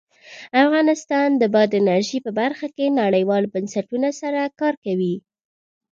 افغانستان د بادي انرژي په برخه کې نړیوالو بنسټونو سره کار کوي.